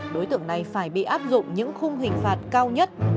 đối tượng này phải bị áp dụng những khung hình phạt cao nhất